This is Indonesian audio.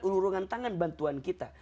ulurungan tangan bantuan kita